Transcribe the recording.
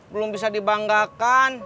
belum bisa dibanggakan